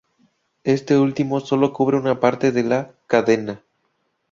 Este último solo cubre una parte de la cadena.